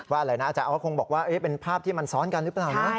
อะไรนะอาจารย์ก็คงบอกว่าเป็นภาพที่มันซ้อนกันหรือเปล่านะ